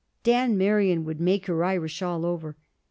Dan Merion would make her Irish all over.